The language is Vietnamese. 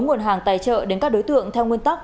nguồn hàng tài trợ đến các đối tượng theo nguyên tắc